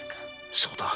そうだ。